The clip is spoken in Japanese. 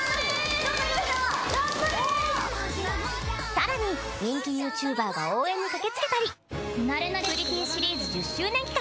更に人気ＹｏｕＴｕｂｅｒが応援にかけつけたりプリティーシリーズ１０周年企画